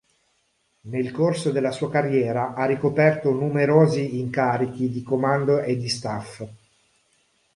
Nel corso della sua carriera ha ricoperto numerosi incarichi di comando e di staff.